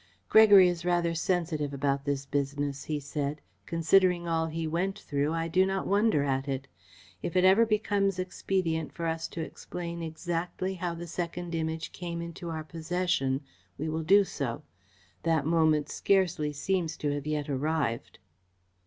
"Gregory is rather sensitive about this business," he said. "Considering all that he went through, I do not wonder at it. If ever it becomes expedient for us to explain exactly how the second Image came into our possession, we will do so. That moment scarcely seems to have yet arrived."